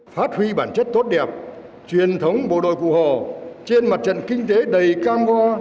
phát huy bản chất tốt đẹp truyền thống bộ đội cụ hồ trên mặt trận kinh tế đầy cam go